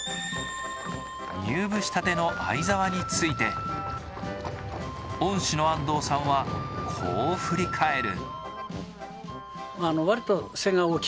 入部したての相澤について、恩師の安藤さんはこう振り返る。